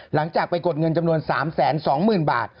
หลังจากไปกดเงินจำนวน๓แสน๒หมื่นบาท